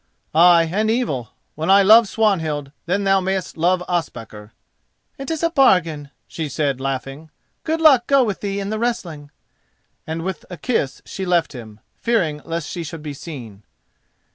"Ay and evil. When I love Swanhild, then thou mayest love Ospakar." "It is a bargain," she said, laughing. "Good luck go with thee in the wrestling," and with a kiss she left him, fearing lest she should be seen.